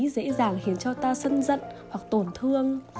dễ dàng khiến cho ta sân giận hoặc tổn thương